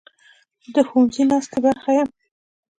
زه د ښوونځي ناستې برخه یم.